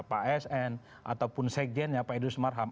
pak sn ataupun sekjen pak idus marham